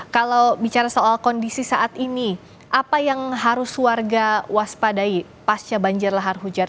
kalau bicara soal kondisi saat ini apa yang harus warga waspadai pasca banjir lahar hujan